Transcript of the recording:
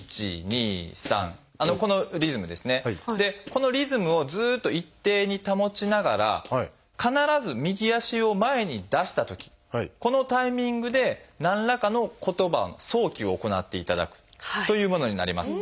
このリズムをずっと一定に保ちながら必ず右足を前に出したときこのタイミングで何らかの言葉の想起を行っていただくというものになります。